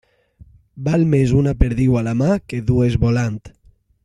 Val més una perdiu a la mà que dues volant.